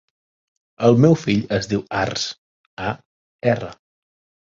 El meu fill es diu Arç: a, erra.